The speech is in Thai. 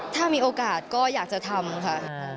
ถ้ามีโอกาสก็อยากจะทำค่ะ